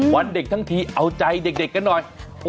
วันเด็กทั้งทีเอาใจเด็กกันหน่อย